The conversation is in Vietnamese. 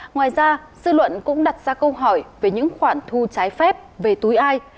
ngoài ra dư luận cũng đặt ra câu hỏi về những khoản thu trái phép về túi ai